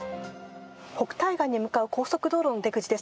北戴河に向かう高速道路の出口です。